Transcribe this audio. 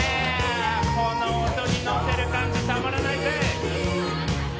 この音に乗せる感じたまらないぜ！